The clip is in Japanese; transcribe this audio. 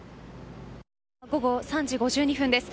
午後３時５２分です。